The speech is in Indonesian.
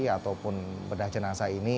ataupun bedah jenazah ini